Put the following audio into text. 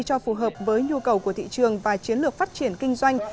cho phù hợp với nhu cầu của thị trường và chiến lược phát triển kinh doanh